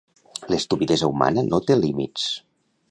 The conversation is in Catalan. L'estupidesa humana no té límits